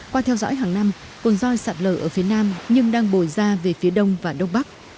qua theo dõi hàng năm cồn doi sạt lở ở phía nam nhưng đang bồi ra về phía đông và đông bắc